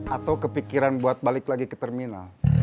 atau kepikiran buat balik lagi ke terminal